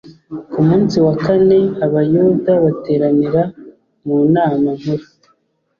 Ku munsi wa kane Abayuda bateranira mu nama nkuru